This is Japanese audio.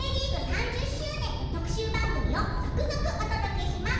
３０周年特集番組を続々お届けします。